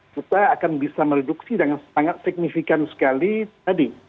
kita akan bisa mereduksi dengan sangat signifikan sekali tadi